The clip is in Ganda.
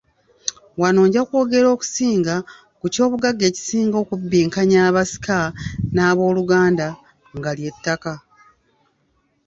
Wano nja kwogera okusinga ku ky'obugagga ekisinga okubbinkanya abasika n'abooluganda nga ly'ettaka.